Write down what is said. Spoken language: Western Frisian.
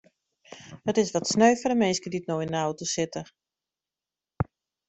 It is wat sneu foar de minsken dy't no yn de auto sitte.